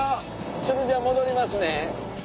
ちょっとじゃあ戻りますね。